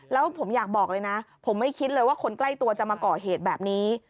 แล้วผมอยากบอกเลยนะผมไม่คิดเลยว่าคนใกล้ตัวจะมาก่อเหตุแบบนี้